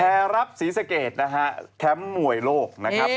แพรรับสีสะเกธทั้งหมวยโลก